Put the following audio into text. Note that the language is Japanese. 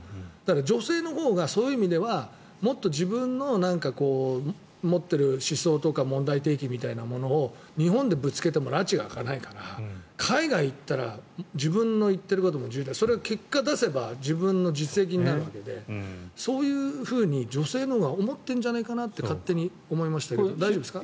女性のほうがそういう意味ではもっと自分の持っている思想とか問題提起とかを日本でぶつけてもらちが明かないから海外に行ったら自分の言ってること結果出せば、実績になるわけでそういうふうに女性のほうが思っているんじゃないかなと勝手に思っているんですが大丈夫ですか？